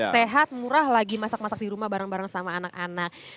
sehat murah lagi masak masak di rumah bareng bareng sama anak anak